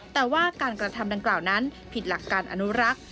แต่ว่าการกระทำดังกล่าวนั้นผิดหลักการอนุรักษ์